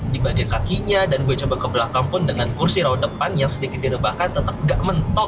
di bagian kakinya dan gue coba ke belakang pun dengan kursi roda depan yang sedikit direbahkan tetap gak mentok